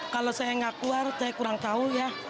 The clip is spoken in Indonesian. kalau saya nggak keluar saya kurang tahu ya